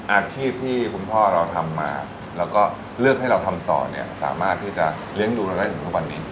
อาชีพที่คุณพ่อเราทำมาแล้วก็เลือกให้เราทำต่อเนี่ยสามารถที่จะเลี้ยงดูเราได้ถึงทุกวันนี้